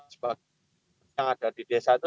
sebagian yang ada di desa itu